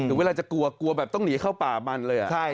หรือเวลาจะกลัวกลัวแบบต้องหนีเข้าป่ามันเลยอ่ะใช่